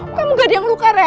kamu gak ada yang luka randy